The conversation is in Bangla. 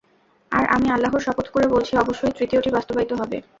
আর আমি আল্লাহর শপথ করে বলছি, অবশ্যই তৃতীয়টি বাস্তবায়িত হবে।